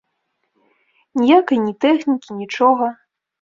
Ніякай ні тэхнікі, нічога!